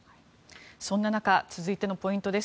そんな中続いてのポイントです。